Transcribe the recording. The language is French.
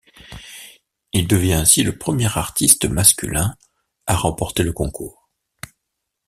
Il devient ainsi le premier artiste masculin à remporter le concours.